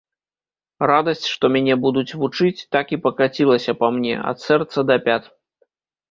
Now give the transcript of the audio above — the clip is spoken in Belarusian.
Радасць, што мяне будуць вучыць, так і пакацілася па мне, ад сэрца да пят.